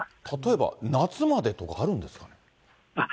例えば、夏までとかあるんですかね？